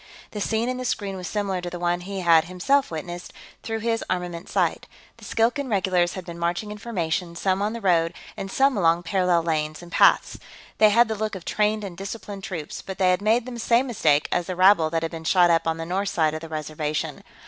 The scene in the screen was similar to the one he had, himself, witnessed through his armament sight. The Skilkan regulars had been marching in formation, some on the road and some along parallel lanes and paths. They had the look of trained and disciplined troops, but they had made the same mistake as the rabble that had been shot up on the north side of the Reservation.